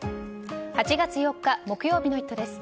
８月４日、木曜日の「イット！」です。